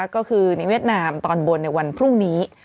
ก็คือในเวียดนามตอนบนในวันพรุ่งนี้